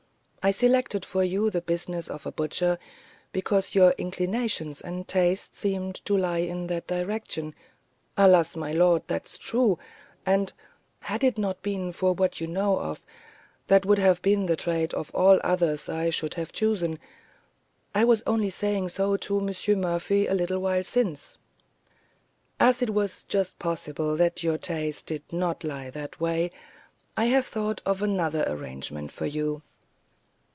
I selected for you the business of a butcher, because your inclinations and taste seemed to lie in that direction " "Alas! my lord, that's true; and, had it not been for what you know of, that would have been the trade of all others I should have chosen. I was only saying so to M. Murphy a little while since." "As it was just possible that your taste did not lie that way, I have thought of another arrangement for you.